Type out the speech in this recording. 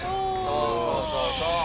そうそうそうそう。